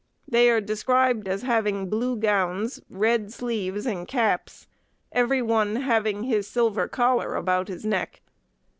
They are described as having blue gowns, red sleeves and caps, every one having his silver collar about his neck.